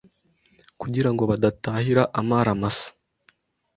kugira ngo badatahira amara masa